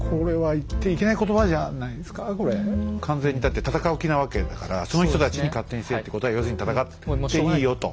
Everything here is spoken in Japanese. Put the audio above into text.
完全にだって戦う気なわけだからその人たちに勝手にせえって言うことは要するに戦っていいよと。